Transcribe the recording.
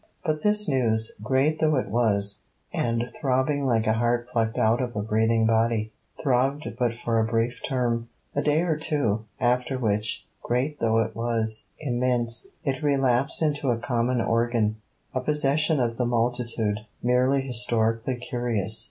But this news, great though it was, and throbbing like a heart plucked out of a breathing body, throbbed but for a brief term, a day or two; after which, great though it was, immense, it relapsed into a common organ, a possession of the multitude, merely historically curious.